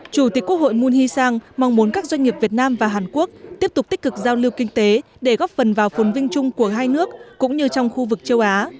chủ tịch quốc hội moon hee sang mong muốn các doanh nghiệp việt nam và hàn quốc tiếp tục tích cực giao lưu kinh tế để góp phần vào phồn vinh chung của hai nước cũng như trong khu vực châu á